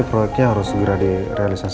ini proyeknya harus segera direalisasikan ya